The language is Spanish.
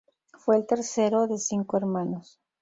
Fue el tercero de cinco hermanos.